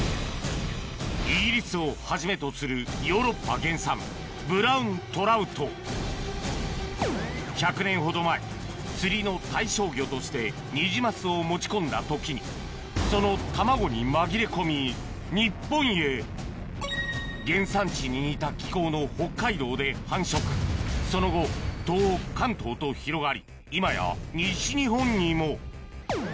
イギリスをはじめとするヨーロッパ原産１００年ほど前釣りの対象魚としてニジマスを持ち込んだ時にその卵に紛れ込み日本へ原産地に似た気候の北海道で繁殖その後東北関東と広がり